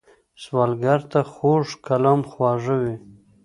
سوالګر ته خوږ کلام خواږه وي